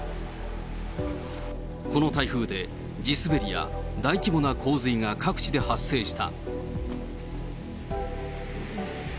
この台風で、地滑りや大規模な洪水が各地で発生した。